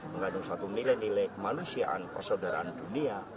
mengandung satu milih milih kemanusiaan persaudaraan dunia